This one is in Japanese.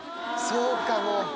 そうかもう。